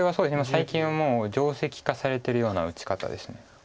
最近はもう定石化されてるような打ち方です。